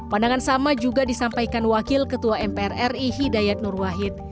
pandangan sama juga disampaikan wakil ketua mpr ri hidayat nurwahid